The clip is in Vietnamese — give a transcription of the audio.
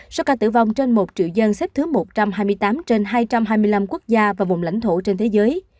sóc trăng chín mươi ba